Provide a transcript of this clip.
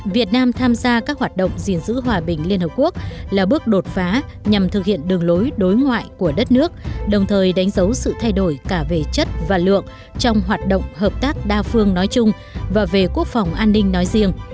việt nam tham gia các hoạt động gìn giữ hòa bình liên hợp quốc là bước đột phá nhằm thực hiện đường lối đối ngoại của đất nước đồng thời đánh dấu sự thay đổi cả về chất và lượng trong hoạt động hợp tác đa phương nói chung và về quốc phòng an ninh nói riêng